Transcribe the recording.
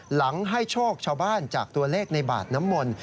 หลังให้โชคชาวบ้านจากตัวเลขในบาดน้ำมนต์